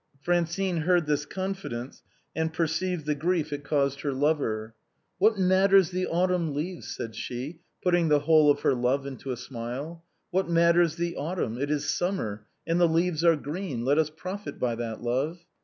Francine heard this confidence, and perceived the grief it caused her lover. " What matters the autumn leaves ?" said she, putting the whole of her love into a smile. ".What matters the autumn? It is summer, and the leaves are green; let us profit by that, love.